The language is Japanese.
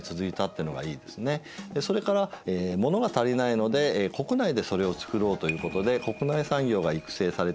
それから物が足りないので国内でそれを作ろうということで国内産業が育成されたりね。